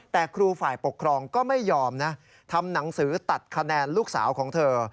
แต่ครูฝ่ายปกครองก็ไม่ยอมนะทำหนังสือตัดคะแนนลูกสาวของเธอ